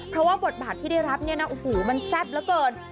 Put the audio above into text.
เพราะว่าบทบาทที่ได้รับเนี่ยนะโอ้โหมันแซ่บเหลือเกิน